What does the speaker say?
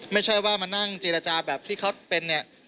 ไม่ใช่ว่ามานั่งเจรจาแบบที่เขาเป็นเนี่ย